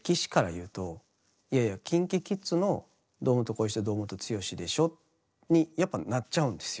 「いやいやＫｉｎＫｉＫｉｄｓの堂本光一と堂本剛でしょ」にやっぱなっちゃうんですよ。